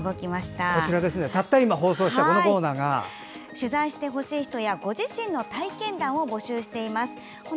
取材してほしい人やご自身の体験談を募集しています。